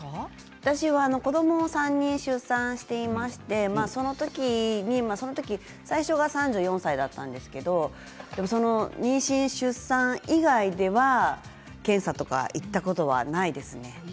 私は子どもを３人出産していてその時に最初は３４歳だったんですけれど妊娠出産以外では検査とか行ったことはないですね。